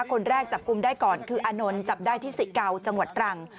คนแรกจับกลุ่มได้ก่อนคืออานนท์จับได้ที่สิเกาจังหวัดตรัง